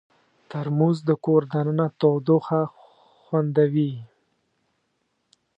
ترموز د کور دننه تودوخه خوندوي.